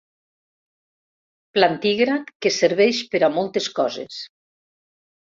Plantígrad que serveix per a moltes coses.